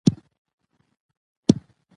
سیلاني ځایونه د افغانستان د صادراتو یوه برخه ده.